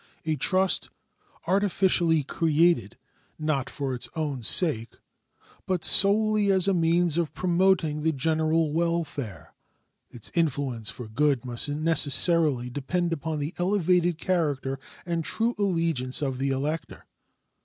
A trust artificially created, not for its own sake, but solely as a means of promoting the general welfare, its influence for good must necessarily depend upon the elevated character and true allegiance of the elector.